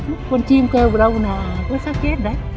con chim kêu vào đâu nè